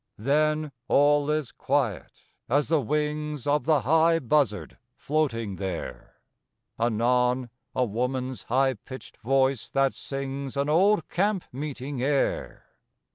Then all is quiet as the wings Of the high buzzard floating there; Anon a woman's high pitched voice that sings An old camp meeting air.